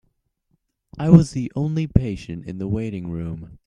I was the only patient in the waiting room.